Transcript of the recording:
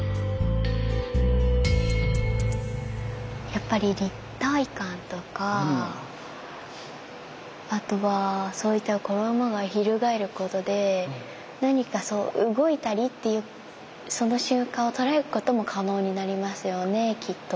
やっぱり立体感とかあとはそういった衣が翻ることで何か動いたりっていうその瞬間を捉えることも可能になりますよねきっと。